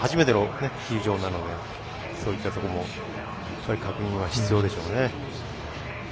初めての球場になるのでそういったところも確認は必要になるでしょうね。